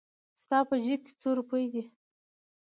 ستا په جېب کې څو روپۍ دي؟